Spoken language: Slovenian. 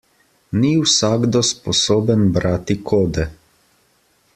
Ni vsakdo sposoben brati kode.